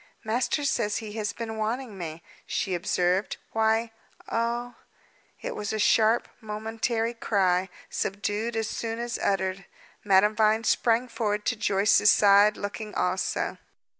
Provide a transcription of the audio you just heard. "Master says he has been wanting me," she observed. "Why oh!" It was a sharp, momentary cry, subdued as soon as uttered. Madame Vine sprang forward to Joyce's side, looking also.